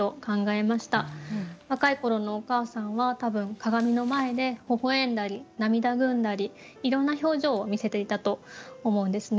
若い頃のお母さんは多分鏡の前で微笑んだり涙ぐんだりいろんな表情を見せていたと思うんですね。